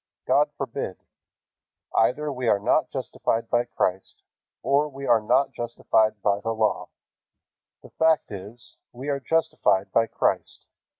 God forbid. Either we are not justified by Christ, or we are not justified by the Law. The fact is, we are justified by Christ.